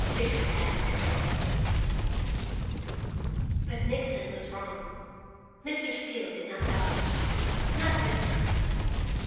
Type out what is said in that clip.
"BITTER AS THE GRAVE" But Nixon was wrong. Mr. Steele did not die not this time.